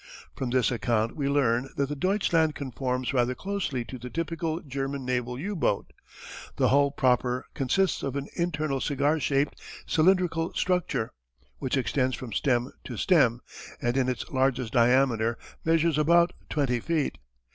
From this account we learn that the Deutschland conforms rather closely to the typical German naval U boat. The hull proper consists of an internal cigar shaped, cylindrical structure, which extends from stem to stern, and in its largest diameter measures about twenty feet.